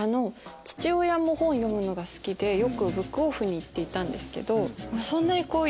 父親も本読むのが好きでよくブックオフに行ったんです。